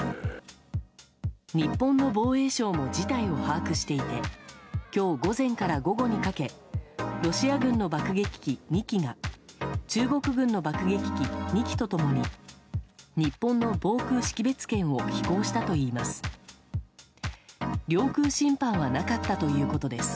日本の防衛省も事態を把握していて今日午前から午後にかけロシア軍の爆撃機２機が中国軍の爆撃機２機と共に日本の防空識別圏を飛行したといいます。